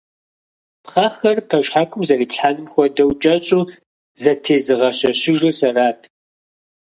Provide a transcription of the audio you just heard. Пхъэхэр, пэшхьэкум зэриплъхьэнум хуэдэу, кӀэщӀу зэтезыгъэщэщэжыр сэрат.